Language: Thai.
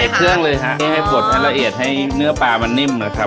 เครื่องเลยฮะไม่ให้บดให้ละเอียดให้เนื้อปลามันนิ่มนะครับ